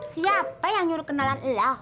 siapa yang nyuruh kenalan allah